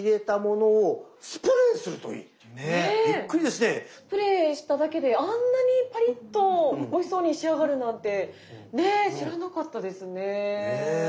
スプレーしただけであんなにパリッとおいしそうに仕上がるなんてね知らなかったですね。